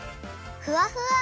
ふわふわ！